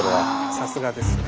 さすがですね